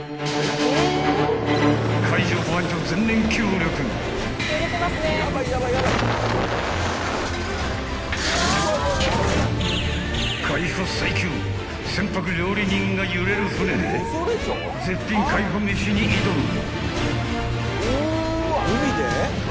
［海保最強船舶料理人が揺れる船で絶品海保メシに挑む］